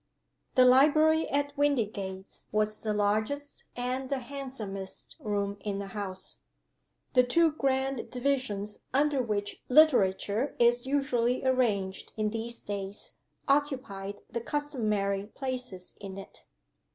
THE Library at Windygates was the largest and the handsomest room in the house. The two grand divisions under which Literature is usually arranged in these days occupied the customary places in it.